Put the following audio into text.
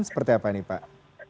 seperti apa nih pak